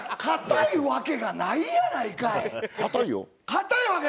硬いわけがないやないかい。